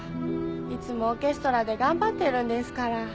いつもオーケストラで頑張ってるんですから。